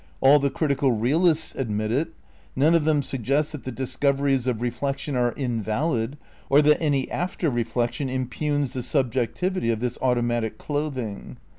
All the critical realists admit it. None of them suggest that the discoveries of reflection are invalid, or that any after reflection impugns the subjectivity of this automatic clothing.